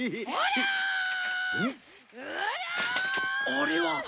あれは。